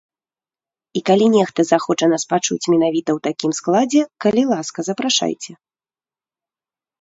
І калі нехта захоча нас пачуць менавіта ў такім складзе, калі ласка, запрашайце.